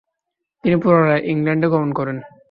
তিনি পুনরায় ইংল্যান্ডে গমন করেন।